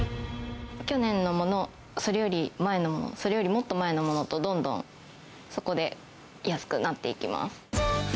去年のもの、それより前のもの、それよりもっと前のものと、どんどんそこで安くなっていきま